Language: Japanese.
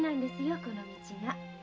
この道が。